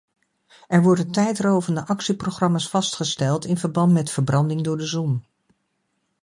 Er worden tijdrovende actieprogramma’s vastgesteld in verband met verbranding door de zon.